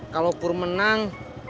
kalau pur menang